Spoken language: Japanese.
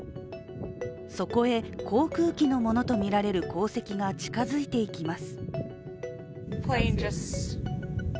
そこへ航空機のものとみられる航跡が近づいていきます。